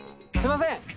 すみません。